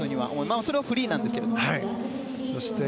それはフリーですけど。